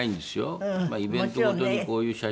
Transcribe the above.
イベントごとにこういう写真。